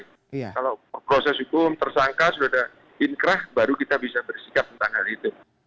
kalau proses hukum tersangka sudah inkrah baru kita bisa bersikap tentang hal itu